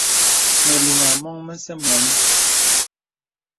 Məlìŋà mɔ̄ŋ məsə mɔ̄nì.